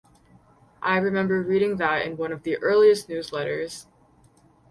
I remember reading that in one of the earliest newsletters.